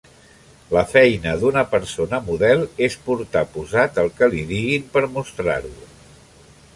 La feina d'una persona model és portar posat el que li diguin per mostrar-ho.